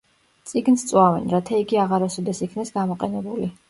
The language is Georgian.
წიგნს წვავენ, რათა იგი აღარასოდეს იქნას გამოყენებული.